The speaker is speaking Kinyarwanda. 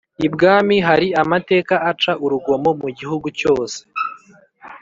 -ibwami hari amateka aca urugomo mu gihugu cyose.